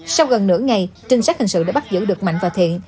sau gần nửa ngày trinh sát hình sự đã bắt giữ được mạnh và thiện